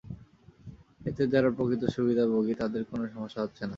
এতে যারা প্রকৃত সুবিধাভোগী, তাদের কোনো সমস্যা হচ্ছে না।